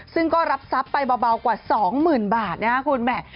ซึ่งก็รับทรัพย์ไปเบากว่า๒๐๐๐บาทนะครับคุณแม่